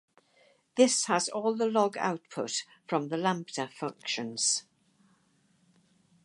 This has all the log output from the Lambda functions